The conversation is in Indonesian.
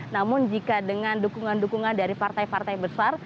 namun jika dengan dukungan dukungan dari partai partai besar